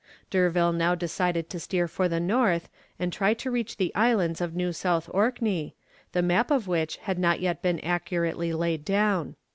D'Urville now decided to steer for the north, and try to reach the islands of New South Orkney, the map of which had not yet been accurately laid down.